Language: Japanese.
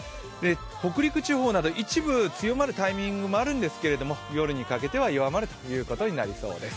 北陸地方など一部強まるタイミングもあるんですけど、夜にかけては弱まるということになりそうです。